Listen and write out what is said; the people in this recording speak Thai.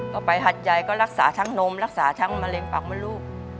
ก็ไปหัดใหญ่ก็รักษาทั้งนมรักษาทั้งมะเร็งปากมดลูก